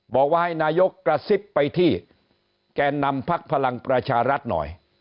บอกว่าให้นายกกระซิบไปที่แก่นำพักพลังประชารัฐหน่อย